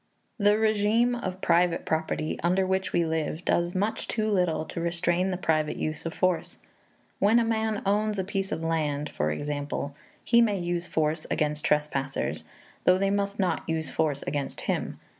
The régime of private property under which we live does much too little to restrain the private use of force. When a man owns a piece of land, for example, he may use force against trespassers, though they must not use force against him.